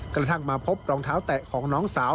กระทั่งมาพบรองเท้าแตะของน้องสาว